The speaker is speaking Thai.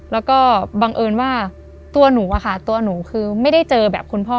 แล้วก็บังเอิญว่าตัวหนูอะค่ะตัวหนูคือไม่ได้เจอแบบคุณพ่อ